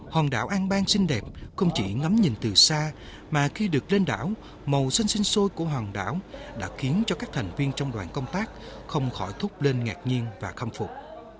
hòn đảo an bang xinh đẹp không chỉ ngắm nhìn từ xa mà khi được lên đảo màu xanh sinh sôi của hòn đảo đã khiến cho các thành viên trong đoàn công tác không khỏi thúc lên ngạc nhiên và khâm phục